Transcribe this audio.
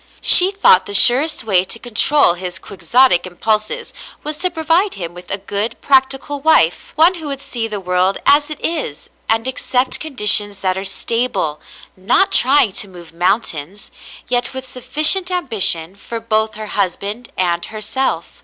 She thought the surest way to control his quixotic impulses was to provide him with a good, practical wife, — one who would see the world as it is and accept conditions that are stable, not trying to move mountains, yet with sufficient am bition for both her husband and herself.